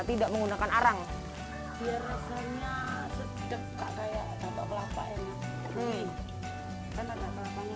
tidak menggunakan arang biar rasanya sedap kak kayak batok kelapa ini kan ada kelapanya